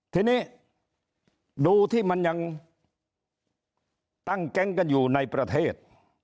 ทีนี้ดูที่มันยังตั้งแก๊งกันอยู่ในประเทศ